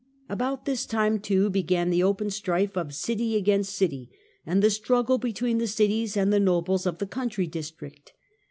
About this time, too, began the open strife of city against city, and the struggle between the cities and the nobles of the country districts.